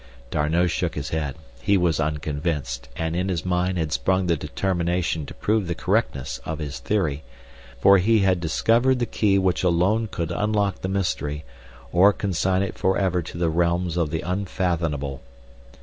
D'Arnot shook his head. He was unconvinced, and in his mind had sprung the determination to prove the correctness of his theory, for he had discovered the key which alone could unlock the mystery, or consign it forever to the realms of the unfathomable.